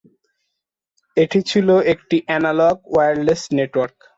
এটি ছিল একটি এনালগ ওয়্যারলেস নেটওয়ার্ক।